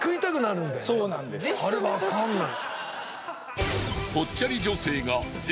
あれわかんない。